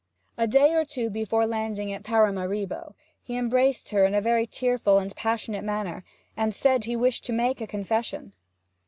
A day or two before landing at Paramaribo, he embraced her in a very tearful and passionate manner, and said he wished to make a confession.